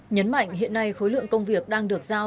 nhấn mạnh hiện nay khối lượng công việc đang được giao